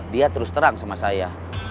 dia terus terang sama saya